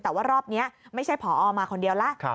แต่ว่ารอบนี้ไม่ใช่ผอมาคนเดียวแล้ว